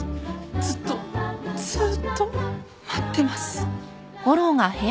ずっとずっと待ってます。